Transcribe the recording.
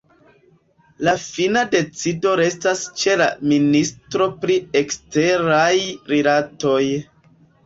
La fina decido restas ĉe la ministro pri eksteraj rilatoj.